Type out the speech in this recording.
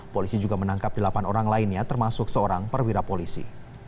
polisi juga menangkap delapan orang lainnya termasuk seorang perwira polisi